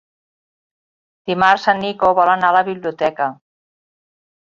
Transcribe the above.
Dimarts en Nico vol anar a la biblioteca.